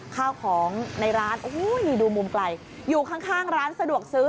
ข้าวของในร้านโอ้โหดูมุมไกลอยู่ข้างร้านสะดวกซื้อ